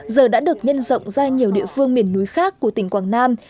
giờ đã được nhân rộng ra nhiều địa phương miền núi khác của tỉnh quảng nam